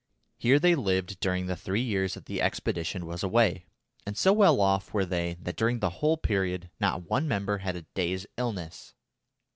Here they lived during the three years that the expedition was away, and so well off were they that during the whole period not one member had a day's illness.